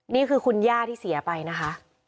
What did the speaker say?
นี่คือคุณย่าที่เสียไปนะคะ